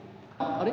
あれ？